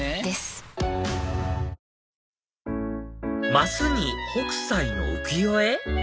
升に北斎の浮世絵？